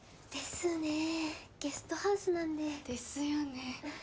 ですねゲストハウスなんで。ですよね。